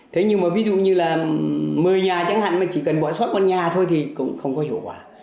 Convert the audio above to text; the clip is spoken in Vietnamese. thế nhưng mà ví dụ như là một mươi nhà chẳng hạn mà chỉ cần bỏ sót con nhà thôi thì cũng không có hiệu quả